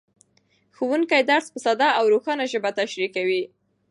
ښوونکی درس په ساده او روښانه ژبه تشریح کوي